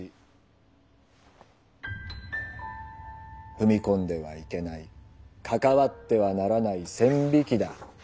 踏み込んではいけない関わってはならない線引きだ。